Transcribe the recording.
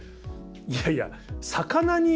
いやいや魚に。